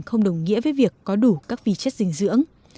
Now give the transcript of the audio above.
không đồng nghĩa với việc có đủ các vi chất dinh dưỡng